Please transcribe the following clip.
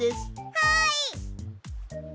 はい！